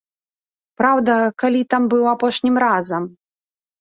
Праўда, калі там быў апошнім разам?!